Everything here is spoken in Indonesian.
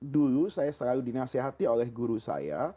dulu saya selalu dinasehati oleh guru saya